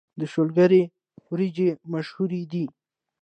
د شولګرې وريجې مشهورې دي